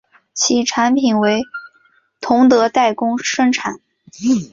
其产品为同德代工生产。